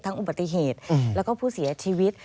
อุบัติเหตุแล้วก็ผู้เสียชีวิต